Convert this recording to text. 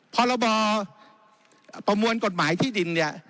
พรบประมวลกฎหมายที่ดินเนี่ย